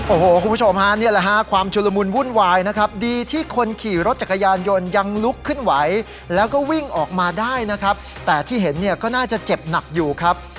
โอ้โหคุณผู้ชมฮะนี่แหละฮะความชุลมุนวุ่นวายนะครับดีที่คนขี่รถจักรยานยนต์ยังลุกขึ้นไหวแล้วก็วิ่งออกมาได้นะครับแต่ที่เห็นเนี่ยก็น่าจะเจ็บหนักอยู่ครับ